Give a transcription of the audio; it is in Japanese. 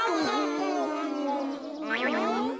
ん？